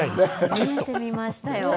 初めて見ましたよ。